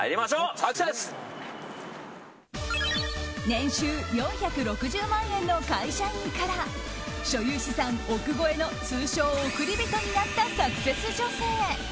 年収４６０万円の会社員から所有資産、億超えの通称、億り人になったサクセス女性。